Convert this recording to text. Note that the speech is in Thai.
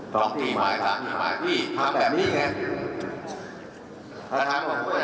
ต้องกี่หมายออนมีมายพี่ทำแบบนี้ไง